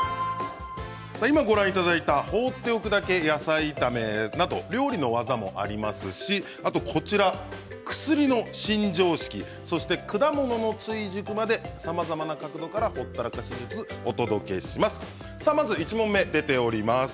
今、ご覧いただいた放っておくだけ野菜炒めなど料理の技もありますしこちら、薬の新常識そして果物の追熟までさまざまなところからほったらかし術をお届けしていきます。